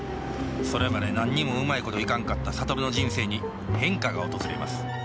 それまで何にもうまいこといかんかった諭の人生に変化が訪れます